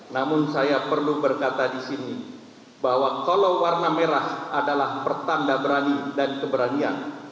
namun saya perlu berkata di sini bahwa kalau warna merah adalah pertanda berani dan keberanian